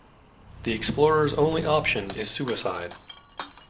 The explorer's only option is suicide.